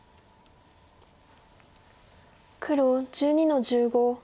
黒１２の十五。